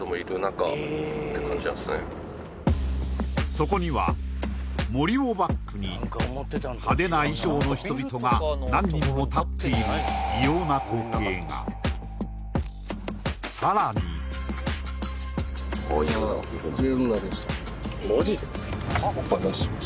そこには森をバックに派手な衣装の人々が何人も立っているがさらにマジで！？